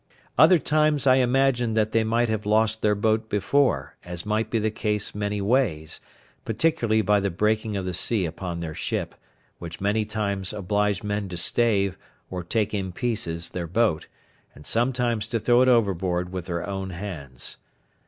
Other times I imagined that they might have lost their boat before, as might be the case many ways; particularly by the breaking of the sea upon their ship, which many times obliged men to stave, or take in pieces, their boat, and sometimes to throw it overboard with their own hands.